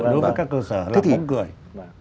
đối với các cơ sở là bóng cười